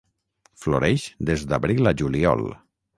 Floreix des d'abril a juliol.